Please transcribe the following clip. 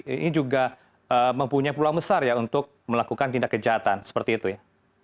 ini juga mempunyai peluang besar ya untuk melakukan tindak kejahatan seperti itu ya